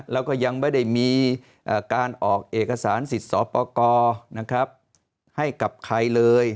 แล้วก็ยังไม่ได้มีการออกเอกสารสิทธิ์สปกรให้กับใครเลย